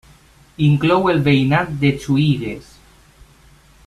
Inclou el veïnat de Juïgues.